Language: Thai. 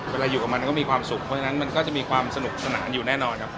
เวลาอยู่กับมันก็มีความสุขเพราะฉะนั้นมันก็จะมีความสนุกสนานอยู่แน่นอนครับ